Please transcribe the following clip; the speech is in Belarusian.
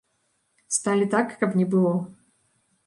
Сталі так, каб не было.